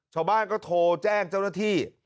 ชาวบ้านก็โทรแจ้งเจ้าหน้าที่